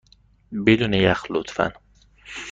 بدون یخ، لطفا.